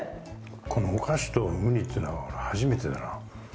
このお菓子と雲丹ってのは初めてだな。